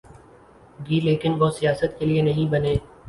گی لیکن وہ سیاست کے لئے نہیں بنے۔